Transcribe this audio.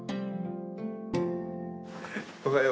おはよう。